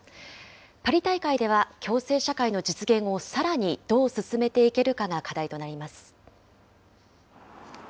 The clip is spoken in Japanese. パリ大会では共生社会の実現をさらにどう進めていけるかが課題となります。